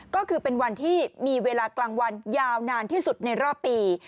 ก็คือเป็นวันที่มีเวลากลางวันยาวนานที่สุดในรอบปี